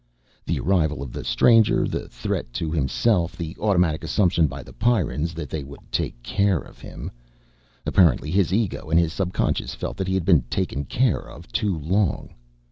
The arrival of the stranger, the threat to himself, the automatic assumption by the Pyrrans that they would take care of him. Apparently his ego and his subconscious felt that he had been taken care of too long.